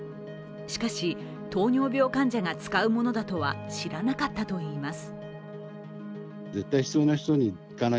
しかし、糖尿病患者が使うものだとは知らなかったといいます。